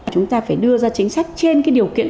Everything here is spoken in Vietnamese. chúng ta phải đưa ra chính sách trên cái điều kiện